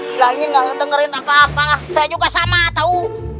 bilangin gak ngedengerin apa apa saya juga sama tau